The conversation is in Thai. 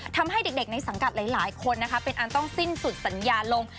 ทำให้เด็กในสังกัดหลายคนนะคะเป็นอันต้องสิ้นสุดสัญญาลง